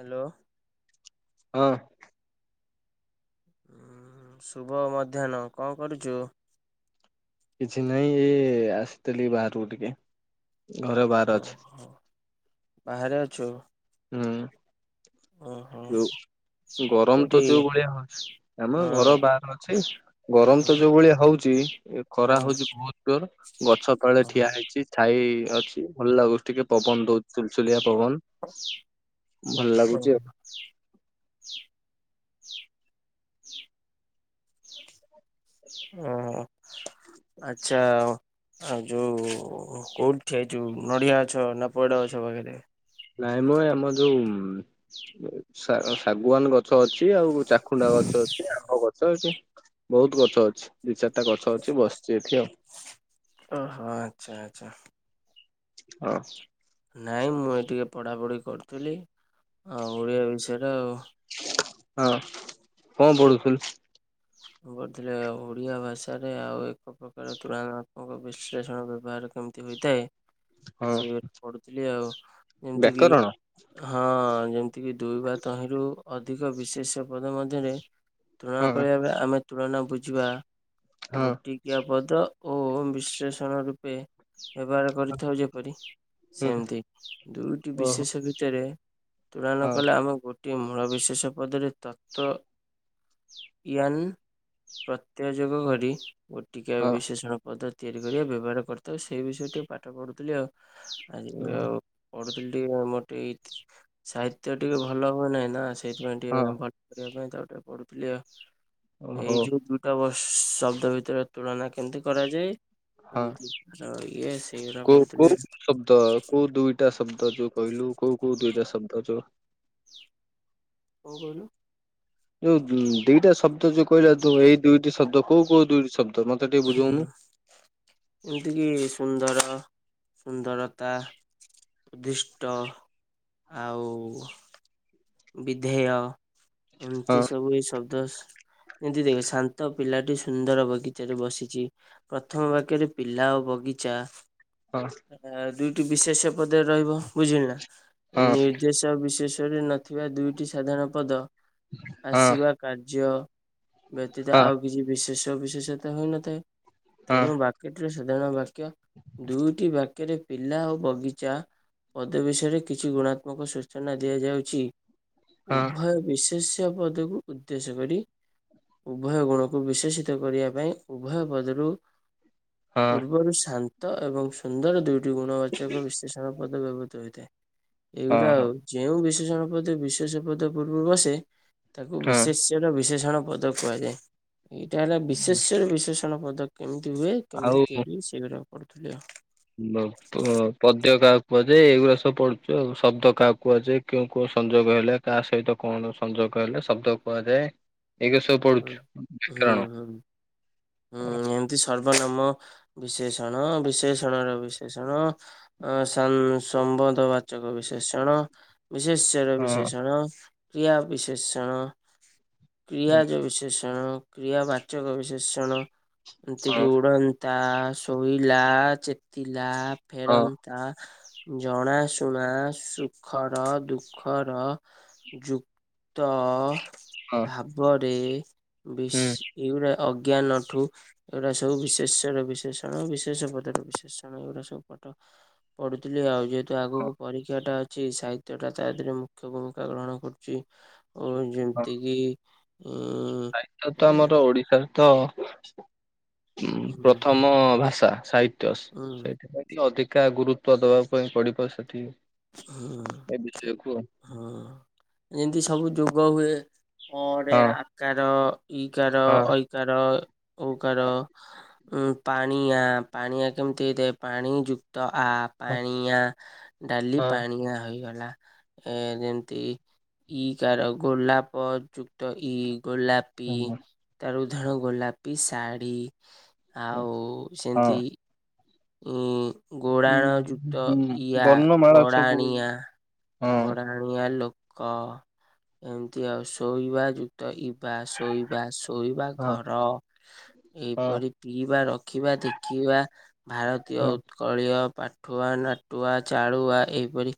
Hello. ହଁ ଶୁଭ ମଧ୍ୟାହ୍ନ କଣ କରୁଛୁ, କିଛି ନହିଁ ଏ ଆସିଥିଲି ବାହାରକୁ ଟିକେ ଘରେ ବାହହାର ଅଛି ଓହୋ ବାହାରେ ଅଛୁ ହୁଁ ଓହୋ ଯୋଉ ଗରମ ତ କୋଉଠି? ଯୋଉ ଭଳିଆ ଆମ ଘର ହଁ ବାହାର ଅଛି ଗରମ ହଁ ତ ଯୋଉ ଭଳିଆ ହଉଛି, ହଁ ଖରା ହଉଛି ବହୁତ ଜୋର ଗଛ ତଳେ ଠିଆ ହେଇଛି ଛ [inaudible] ଏଇ ଅଛି ଭଲ ଲାଗୁଛି ଟିକେ ପବନ ଦଉଛି ଚୁଲ ଚୁଲିଆ ପବନ ଭଲ ଲାଗୁଛି ହଁ ଆଉ ଆ [inaudible] ଏ ହଁ ଆଚଛା ଆଉ ଯୋଉ କୋଉଠିଠି ଏ ଯୋଉ ନଡିଆ ଅଛ ନା ପଡ ଅଛ ବଖରେ ନାଇଁ ମୁ ଆମ ଯୋଉ ଶାଗୁଆାନ ଗଛ ଅଛି ଆଉ ଚାଖୁଣ୍ଡା ଗଛ ଅଛି ଆମ୍ବ ଗଛ ଗ ଅଛି ବହୁତ ଗଛ ଅଛି ଦି ଚାରିଟା ଗଛ ଅଛି ବସିଛି ଏଠି ଆଉ ଓହୋ ଆଚ୍ଛା ଆଚଛା ହଁ ନହିଁ ମୁଁ ଏ ଟିକି ପଢ଼ାପଢ଼ି କରୁଥିଲି ଆଉ ଓଡ଼ିଆ ବିଷୟରେ ଆଉ ହଁ କଣ ପଢୁଥିଲ ଥିଲେ ଓଡ଼ିଆ ଭାଷାରେ ଆଉ ଏକ ପ୍ରକାର ତୁଳନାତ୍ମକ ବିଶ୍ଳେଷଣ ବ୍ୟବହାର କେମିତି ହୋଇଥାଏ ହଁ ସେ ପଢୁଥିଲି ଆଉ ଯେମିତି କିି ବ୍ୟାକରଣ। ହଁ ଏତିକି ଦୁଇବା ତହିଁରୁ ଅଧିକ ବିଶେଷ ପଦ ମଧ୍ୟରେ ତୁଣା ହଁ କରିବା ଆମେ ତୁଳନା ବୁଝିବା ହଁ ଗୋଟିକିଆ ପଦ ଓ ବିଶ୍ଳେଷଣ ରୂପେ ହେବହାର କରିଥାଉ ଯେପରି ସେମିତି ଦୁଇଟି ହୁଁ ବିଶେଷ ଭିତରେ ତୁଳନ ହଁ କଲେ ଆମେ ଗ ୋଟି ମୂଳ ବିିଶେଷ ପଦରେ ତତ୍ଵ ୟନ୍ ପ୍ରତ୍ୟାଯୋଗ କରି ଗୋ ଟିକେ ହଁ ବିଶେଷଣ ପଦ୍ଧତି ତିଆରି କରିବା ବ୍ୟବହାର କରିଥାଉ ସେଇ ବିଷୟରେ ଟିକେ ପାଠ ପଢ଼ୁଥିଲି ଆଉ ଆଜି ଆଉ ପଢୁଥିଲି ଟିକେ ମୋର ଟେ ସାହିତ୍ୟ ଟିକେ ଭଲ ହୁଏ ନାହିଁ ନା ସେଇଥିପାଇଁ ଟିକେ କରିବା ପାଇଁ ଗଟେ ପଢୁଥିଲି ଆଉ। ଏଇ ଓହୋ ଯୋଉ ଦୁଇଟା ବର୍ଷ। ଶବ୍ଦ ଭିତରେ ତୁଳନା କେମିତି କରାଯାଏ ଇ। ହଁ କୋଉ କୋଉ ଶବ୍ଦ କୋଉ ଦୁଇଟା ଶବ୍ଦ ଯୋଉ କହିଲୁ କୋଉ କୋଉ ଦୁଇଟା ଶବ୍ଦଛ? କଣ କହିଲୁ? ଯୋଉ ଦିଟା ଶବ୍ଦ ଯୋଉ କହିଲା ତ ଏଇ ଦୁଇଟି ଶବ୍ଦ କୋଉ କୋଉ ଦିଇଟି ଶବ୍ଦ? ମତେ ଟିକେ ହୁଁ ବୁଝଉନୁ। ଏମିତିକି ସୁନ୍ଦର। ସୁନ୍ଦରତା ଉଦ୍ଦିଷ୍ଟ। ଆଉ ବିଧେୟ। ହଁ ଏମିତି ସବୁ ଏଇ ସବ ଯେମିତି ଦେଖ ଶାନ୍ତ ପିଲାଟି ସୁନ୍ଦର ବଗିଚାରେ ବସିଛି। ପ୍ରଥମ ବାକ୍ୟରେ ପିଲା ଓ ବଗିଚା ହଁ ଆ ଦୁଇ ବିଶେଷ୍ୟ ପଦରେ ରହିବ ବୁଝିଲୁ ନା। ହଁ ନିର୍ଦ୍ଦେଶ ବିଶେଷ୍ [unintelligible] ଥିବା ଦୁଇଟି ସାଧାରଣ ପଦ ହଁ ଆସିବା କାର୍ଯ୍ୟ। ବ୍ୟତୀତ ହଁ ଆଉ କିଛି ବିଶେଷ ଚବିଶେଷତ ହୋଇଉନଥାଏ। ହଁ ତେଣୁ ବାକ୍ୟ ଟିର [unintelligible] ଦୁଇଟି ବ୍ୟକ୍ତି ପିଲା ଓ ବଗିଚା ପଦ ବିଷୟରେ କିଛି ଗୁଣାତ୍ମକ ସୂଚନା ଦିଆଯାଉଛି। ହଁ ଉଭୟ ବିଶେଷ ଉ ପଦକୁ ଉଦ୍ଦେଶ୍ୟ କରି ଉଭୟ ଗୁଣକୁ ବିଶେଷିତ କରିବା ପାଇଁ। ଉଭୟ ପଦରୁ ହଁ ପୂର୍ବରୁ ଶାନ୍ତି ଏବଂ ସୁନ୍ଦର ଦୁଇ ଗୁଣବାଚକ ବିଶ୍ଳେଷଣ ପଦ ବ୍ୟବହୃତ ହୋଇଥାଏ। ଏଇ ଗୁଡା ହଁ। ଯେଉଁ [unintelligible] ଦ ବିଶୋଷ ପଦ ପୂର୍ବରୁ ବସେ। ତାକୁ ହଁ ହଁ ବିଶେସ୍ୟର ବିଶେଷ ଭୀଷଣ ପଦ କୁହାଯାଏ। ଏଇଟା ହେଲା ବିଶେସ୍ୟର ବିଶେଷ ପ ପଦ କେମିତ୍ ଦୁହେ କେମିତି ଆଉ ତିଆରି ସେଗୁଡା କରୁଥିଲି ଆଉ। ପଦ୍ୟ କାହାକୁ କୁହାଯାଏ। ଏଇଗୁଡା ସବୁ ପଢୁଛୁ ଆ ଶବ୍ଦ କାହାକୁ କୁହାଯାଏ। କେଉ କୋଉ ସଂଯୋଗ ହେଲେ କାହା ସହିତ କଣ ସଂଯୋଗ ହେଲେ ଶବ୍ଦ କୁହାଯାଏ। ଏଇଗୁରା ସବୁ ପଢୁଛୁ। ହଁ ହୁଁ କାରଣ ହୁଁ ହଁ ହୁଁ ଏମିତି ସର୍ବନାମ ବିଶେଷଣ ବିଶେଷଣ ର ବିଶେଷଣ ସମ୍ବନ୍ଧ ବାଚକ ବିଶେଷଣ ବିଶେଷର ହଁ ବିଶେଷଣ କ୍ରିୟା ବିଶେଷଣ ହୁଁ କ୍ରିୟାଜ ବିଶେଷଣ କ୍ରିୟା ବାଚକ ବିଶେଷଣ ତି କି ଗଡ଼ [inaudible] ତା ଶୋଇଲା ଚେତିଲା [inaudible] ହଁ ଫେରନ୍ତା ଜଣା ଶୁଣା ସୁଖର ଦୁଃଖର ଯୁକ୍ତ ହଁ ଭାବ େ [inaudible] ବେଶ ହୁଁ। ଏଇଗା [inaudible] ଅଜ୍ଞାନଠୁ ଏଗୁଡା ସବୁ ବିଶେଷ ର ବିଶେଷଣ ବିଶେଷ ପଦର ବିଶେଷଣ ଏଗୁଡା ସବୁ ପାଠ ପଢୁଥିଲି ଆଉ ଯେହେତୁ ଆଗକୁ ପରୀକ୍ଷାଟା ଅଛି ସାହିତ୍ୟ ଟା ତା ଦେହରେ ମୁଖ୍ୟ ଭୂମିକା ଗ୍ରହଣ କରୁଛି, ଓ ହଁ ଯେମିତି କିି ଉଁ ସାହିତ୍ୟ ତ ଆମର ଉଁ ଓଡିଶାର ତ [inaudible] ପ୍ରଥମ ଭାଷା ସାଇତ୍ ଉଁ ସେଇଥିପାଇଁ ଟିକ ଅଧିକ କା ଗୁରୁତ୍ୱ ଦେବା ପାଇଁ ପଡ଼ିବ ସେଠି ଉଁ ଏ ବିଷୟ କୁହ [inaudible] ହଁ ଯେମିତି ସବୁ ଯୋଗ ହୁଏ କ ହଁ ଆକାର ଇକାର ହଁ ଇକାର [inaudible] ଓକାର [inaudible] ଉଁ ପାଣିଆ ପାଣିଆ କେମିତି ହେଇଥାଏ ପାଣି ତ ହଁ ପାଣିଆ ଡାଲି ପାଣିଆ ହୋଇଗଲା ଏ ଯେମିତି ଇଗ ଆ ଗୋଲାପଥ ଯୁକ୍ତ ଇଗ ଗୋଲାପି ହଁ ହଁ। ତାର [inaudible] ଧଣ ଗୋଲାପୀ ଶାଢ଼ୀ ହଁ ଆଉ ସେମତି ହଁ। ହୁଁ ହୁଁ ଗୋଡ଼ାଣ ଜୁତ ହୁଁ ଇଆା ବର୍ଣ୍ଣମାଳା ସବୁ ଗୋଡ଼ାଣିଆ ହଁ ଗଡ଼ାଣିଆ ଲୋକ କ ଏମିତି ଆଉ ଶୋଇବା ଯୁକ୍ତଇ ବା ଶୋଇବା ଶୋଇବା ହଁ ଘର ହଁ ଏଇପରି ପିଇବା ରଖିବା ଦେଖିବା ଭାରତୀୟ ହଁ ଉତ୍କଳ ପାଠୁଆ ନାଟୁଆ ଚାଳୁଆ ଏଇପରି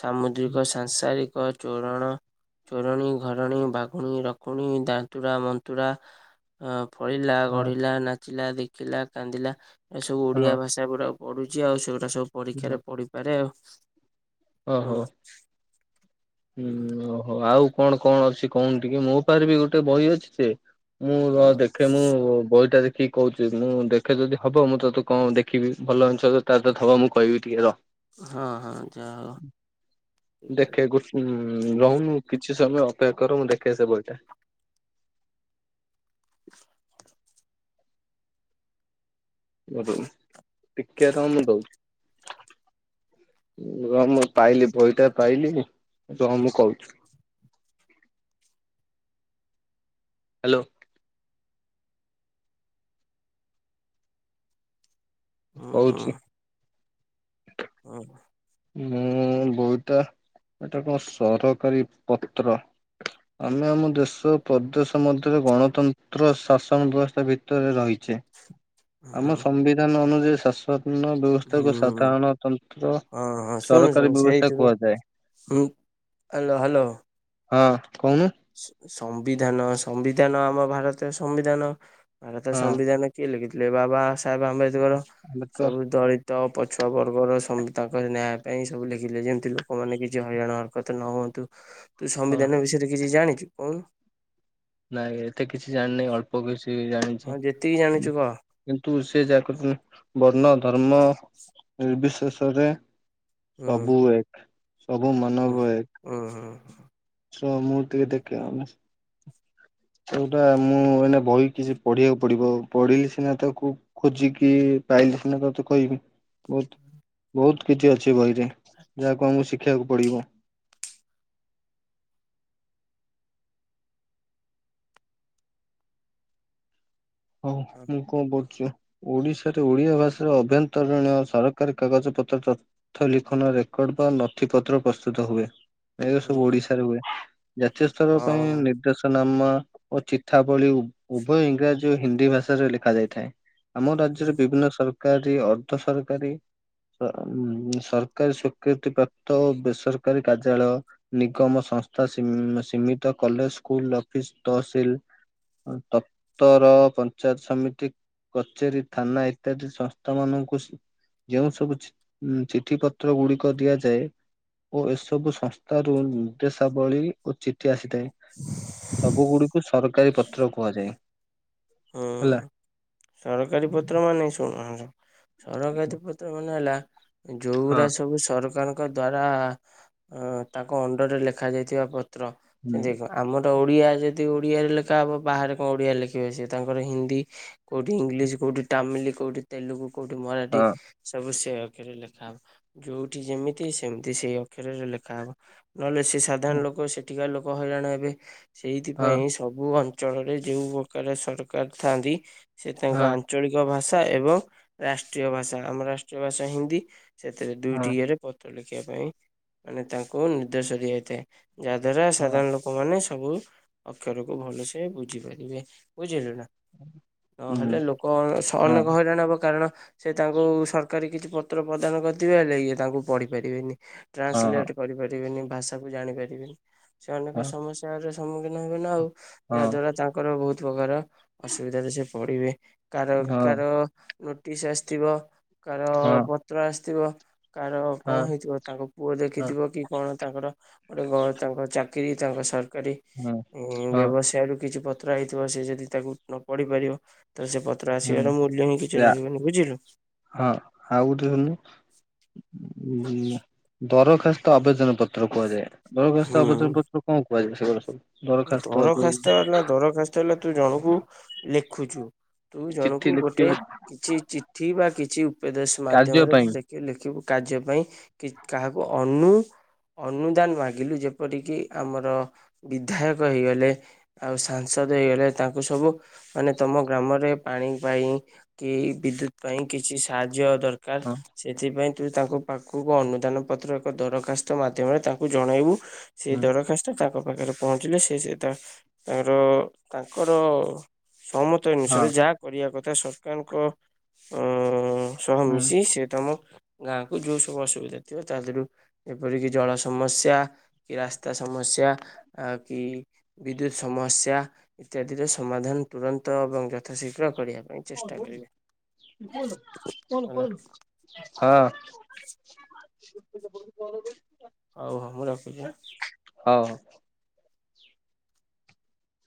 ସାମୁଦ୍ରିକ ଓ ସାଂସାରିକ ଚୋରଣ ଚୋରଣୀ ଘରଣୀ ବାଘୁଣୀ ରକୁଣୀ ଦାନ୍ତୁରା ମନ୍ତୁରା ଫଳିଲା ହଁ ଗଢିଲା ନାଚ ିଲା ଦେଖିଲା କାନ୍ଦିଲା ଏ ସବୁ ଓଆ ଭାଷା ଗୁରଡା ପଢୁଛି ଆଉ ସୋ ସବୁ ହଁ ପରୀକ୍ଷାରେ ପଢିପାରେ ଆଉ ଓହୋ। ହଁ ହୁଁ ଓହୋ ଆଉ କଣ କଣ ଅଛି କଣ ଟିକେ ମୋ ପାାରିବି ଗୋଟେ ବହି ଅଛି ସେ ମୁଁ ହୁଁ ଦେଖେ ମୁଁ ବହିଟା ଦେଖେ ଠିକ କହୁଛି ମୁଁ ଦେଖେ ଯଦି ହବ ମୁଁ ତୋତେ କଣ ଦେଖିବି ଭଲ ଜିନିଷ ତା ତ ହବ ମୁଁ କହିବି ଟିକେ ରହ ହଁ ହଁ ଯାଉ ହୁଁ ରହୁନୁ କିଛି କିଛି ସମୟ ଅପେକ୍ଷା କର ମୁଁ ଦେଖେଇସ ବଇଟା ଅ ଟିକରାନଣ୍ଡାଉ ର ମୁଁ ପାଇଲି ବହିଟା କହଲି କି [unintelligible] କହୁଛି। ହ୍ୟାଲୋ। ଓ ହୋ। କହୁଛି ହୁ। ମୁଁ ବଉତା ଏଟା କଣ ସରକାରୀ ପତ୍ର ଆମେ ଆମ ଦେଶ ପ୍ରଦେଶ ମଧ୍ୟରେ ଗଣତନ୍ତ୍ର ଶାସନ ବ୍ୟବସ୍ଥା ଭିତରେ ରହିଛେ। ହୁଁ ଆମ ହୁଁ। ସମ୍ବିଧାନ ଅନୁ ଶାଶ୍ୱତ ବ୍ୟବସ୍ଥାକୁ ହୁଁ ସାଧାରଣତନ୍ତ୍ର ହଁ ହଁ ଶୁଣୁ ଶୁଣୁ ସେଇଥିରୁୁ ହାଲୋ ହାଲୋ ହଁ କହୁନୁ? ସମ ସମ୍ବିଧାନ ସମ୍ବିଧାନ ଆମ ଭାରତୀୟ ସମ୍ବିଧାନ ଭାରତ ହଁ ସମ୍ବିଧାନ କିଏ ଲେଖିଥିଲେ? ବ୍ଲେବା ବାସ୍ ସାହେବ ଆମ୍ବେଦକର ଆମ୍ବେଦକର ସବୁ ଦଳିତ ତ ପଛୁଆ ବର୍ଗର ସବୁ ତାଙ୍କର ନ୍ୟାୟ ପାଇଁ ସବୁ ଲେଖିଲେ ଯେମିତି ଲୋକମାନେ କିଛି ହଇରାଣ ହରକତ ନ ହୁଅନ୍ତୁ। ତୁ ହଁ ସମ୍ବିଧାନ ବିଷୟରେ କି ଜାଣିଛୁ କହିବୁ। ନାଇଁ ଏତେ କିଛି ଜାଣିନି ଅଳ୍ପ କିଛି ବି ଜାଣିଛି ହଁ ଯେତିକି କି ଜାଣିଛୁ କହ କିନ୍ତୁ [unintelligible] ବର୍ଣ୍ଣ ଧର୍ମ ନିର୍ବିଶେଷରେ ହୁଁ ସବୁ ଏକ ସବୁ ହୁଁ। ମାନବ ଏକ। ହୁଁ ହୁଁ [unintelligible] ଦେଖିବା ଆନ । ସେଇଟା ମୁଁ ଏଇନା ବହି କିଛି ପଢିବାକୁ ପଡିବ ପଢିଲି ସିନା ତାକୁ ଖୋଜିକି ପାଇଲେ ସିନା ତତେ କହିବି ବହୁତ ବହୁତ କିଛି ଅଛି ବହିରେ ଯାହାକୁ ଆମକୁ ଶିଖିବାକୁ ପଡିବ। ହଁ ମୁଁ କଣ ବୋଲୁଚି? ଓଡ଼ିଶାରେ ଓଡ଼ିଆ ଭାଷାର ଅଭ୍ୟନ୍ତରୀଣ ସରକାରୀ କାଗଜପତ୍ର ତଥ୍ୟ ଲିଖନ ରେକର୍ଡ ବା ନଥିପତ୍ର ପ୍ରସ୍ତୁତ ହୁଏ। ଏ ସବୁ ହୁଁ ଓଡିଶାରେ ହୁଏ। ଜାତୀୟ ସ୍ତର ପାଇଁ ହଁ ନିର୍ଦ୍ଦେଶନା ମ ଚିଠା ବଳି ଉଭୟ ଇଂରାଜୀ ଯୋଉ ହିନ୍ଦୀ ଭାଷାରେ ଲେଖା ଯାଇଥାଏ। ଆମ ରାଜ୍ୟରେ ବିଭିନ୍ନ ସର ସରକାରୀ ଅର୍ଦ୍ଧ ସରକାରୀ ସ ସରକାରୀ ସୀକୃତି ପ୍ରାପ୍ତ ଓ ବେସରକାରୀ କାର୍ଯ୍ୟାଳୟ ନିଗମ ସଂସ୍ଥା ସି ସୀମିତ କଲେଜ ସ୍କୁଲ ଅଫିସ ତହସିଲ ତପ୍ତର୍ ପଞ୍ଚାୟତ ସମିତି କଚେରୀ ଥାନା ଇତ୍ୟାଦି ସଂସ୍ଥା ମାନଙ୍କୁ ଯେଉଁ ସବୁ ଚି ଚିଠି ପତ୍ର ଗୁଡିକ ଦିଆଯାଏ ଓ ଏସବୁ ସଂସ୍ଥ ରୁ ନିର୍ଦ୍ଦେଶାବଳୀ ଓ ଆସିଥାଏ ସବୁ ଗୁଡିକୁ ସର ସରକାରୀ ପତ୍ର କୁହାଯାଏ। ହୁଁ ହେଲା। ସରକାରୀ ପତ୍ର ମାନେ ଶୁଣ ହ ସରକାରୀ ପତ୍ର ମାନେ ହେଲା ଯୋଉଗୁଡା ହଁ ସବୁ ସରକାରଙ୍କ ଙ୍କ ଦ୍ଵାରା ତାଙ୍କ ଅଣ୍ଡରରେ ଲେଖା ଯାଇଥିବା ୍ର ସେ ହୁଁ ଦେଖ ଆମର ଓଡ଼ିଆ ଯଦି ଓଡିଆରେ ଲେଖା ହବ ବାହାରେ କଣ ଓଡିଆ ଲେଖିବେ ସେ ତାଙ୍କର ହିନ୍ଦୀ କୋଉଠି ଇଂଲିଶ କୋଉଠି ତାମିଲ କୋଉଠି ତେଲୁଗୁ କୋଉଠି ମରାଠୀ ହଁ ସବୁ ସେ ଅକ୍ଷରେ ଲେଖା ହବ ଯୋଉଠି ଯେମିତି ସେମିତି ସେଇ ଅକ୍ଷରରେ ଲେଖା ହବ ନହେଲେ ସେ ସାଧାରଣ ଲୋକ ସେଠିକା ଲୋକ ହଇରଣ ଏବେ ହଁ ସେଇଥିପାଇଁ ସବୁ ଅ ଅଞ୍ଚଳରେ ଯଉଁ ପ୍ରକାର ସର କରିଥାନ୍ତି ସେ ତାଙ୍କ ହଁ ଆଞ୍ଚଳିକ ଭାଷା ଭାଷା ଏବଂ ରାଷ୍ଟ୍ରୀୟ ଭାଷା ଆମର ରାଷ୍ଟ୍ରୀୟ ଭାଷା ହିନ୍ଦୀ ସେଥିରେ ହଁ ଦୁଇଟି ଇଏରେ ପତ୍ର ଲେଖ ଶିଖିବା ପାଇଁ ମାନେ ତାଙ୍କୁ ନିର୍ଦ୍ଦେଶ ଦିଆଯାଇଥାଏ ଯାହା ଦ୍ଵାରା ହଁ ସାଧାରଣ ଲୋକ ମାନେ ସବୁ ଅକ୍ଷରକୁୁ ଭଲସେ ବୁଝି ପାରିବେ ବୁଝିଲୁ ନା ହଁ ନହେଲେ ଲୋକ ହଁ ଅନେକ ହଇରାଣ ହବ କାରଣ ସେ ତାଙ୍କୁ ସରକାରୀ କିଛି ପତ୍ର ପ୍ରଦାନ କରିଥଥିବା ହେଲେ ଏ ତାଙ୍କୁ ପଢି ପାରିବେନି ଟ୍ରାନ୍ସଲେଟ ହଁ କରିପାରିବେନି ଭାଷାକୁ ଜାଣିପାରିବିନି ସେ ଅନେକ ସମସ୍ୟା ସମ୍ମୁଖୀନ ହେବେନ ଆଉ ଯାହା ହଁ। ଦ୍ଵାରା ତାଙ୍କର ବହୁତ [unintelligible] ଅସୁବିଧାାରେ ସେ ପଡିବେ କାର ହଁ କାର ନୋଟିସ୍ ଆସିଥିବ କାର ହଁ ପତ୍ର ଆସି ଥିବା କାର କଣ ହଁ ହେଇଥିବ ତାଙ୍କ ପୁଅ ହଁ ଦେଖିଥିବ କି କଣ ତାଙ୍କର ଗୋଟେ ଗ ତାଙ୍କ ଚା କି ତାଙ୍କ ସାର୍ ତରକାରୀ ହଁ ଉ ହଁ ବ୍ୟବସାୟ ର କିଛି ତା ହେଇଥିବ ସେ ଯଦି ତାକୁ ନ ପଢିପାରିବ ତ ସେ ପତ୍ର ହଁ ଆସିବାର ମୂଲ୍ୟ ହିଁ କିଛି ଯା ରହିବନି ବୁଝିଲୁ। ହୁଁ ଦରଖାସ୍ତ ଆବେଦନ ପତ୍ର କୁହାଯାଏ। ବଳଗସ୍ତ ହୁଁ। ଆବର୍ଜନ ପତ୍ର କଣ କହିବି ସେଗୁଡାକ ସବୁ। ଦରଖାସ୍ତ ହେଲା ଦରଖାସ୍ତ ହେଲା ତୁ ଜଣକୁ ଲେଖୁଛୁ। ତୁ ଚିଠି ଜଣକୁ ଗୋଟେ ଲେଖିବା କିଛି ଚିଠି ବା କିଛି ଉପେ କାର୍ଯ୍ୟ ପାଇଁ ମାଧ୍ୟମରେଖି ଲେଖିବୁ। କାର୍ଯ୍ୟ ପାଇଁ କାହାକୁ ଅନୁ ଅନୁଦାନ ମାଗିଲୁ ଯେପରିକି ଆମର ବିଧାୟକ ହେଇଗଲେ ଆଉ ସାଂସଦ ହୋଇଇଗଲେ ତାଙ୍କୁ ସବୁ ମାନେ ତମ ଗ୍ରାମରେ ପାଣି ପାଇଁ କି ବିଦ୍ୟୁତ ପାଇଁ କିଛି ସାହାଯ୍ୟ ଯ ଦରକାର ହଁ ସେଥିପାଇଁ ତୁ ତାଙ୍କ ପାଖକୁ ଅନୁଦାନ ପତ୍ର ଏକ ଦରଖାସ୍ତ ମାଧ୍ୟମରେ ତାଙ୍କୁ ଜଣାଇବୁ। ସେ ହୁଁ ଦରଖାସ୍ତ ତା ମୋ ପାଖରେ ପହଞ୍ଚିଲେ ସେ ସେ ତା ତାଙ୍କର ତାଙ୍କର ସମସ୍ତ ହଁ ଜିନିଷରେ ଯାହା କରିବା କଥା ଏଟା ସରକାରଙ୍କ ଉଁ ସହ ହୁଁ ମିଶି ସେ ତମ ଗାଁ କ ଯୋଉ ସବୁ ଅସୁବିଧା ଥିବ ତା ଦେହରୁ ଏପରିକି ଜଳ ସମସ୍ୟା କି ରାସ୍ତା ସମସ୍ୟା ଆ କି ବିଦ୍ୟୁତ୍ ସମସ୍ୟା ଇତ୍ୟାଦିର ସମାଧାନ ତୁରନ୍ତ ଏବଂ ଯଥାଶୀଘ୍ର କରିବା। ପାଇଁ ଚେଷ୍ଟା କରିବେ ହେଲା [unintelligible] ହଁ। ହଉ ହଉ ମୁଁ ରଖୁଛି ଆଁ। ହଉ।